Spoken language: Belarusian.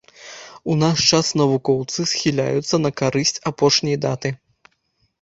У наш час навукоўцы схіляюцца на карысць апошняй даты.